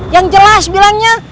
yang jelas bilangnya